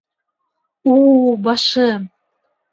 У-у-у, башым!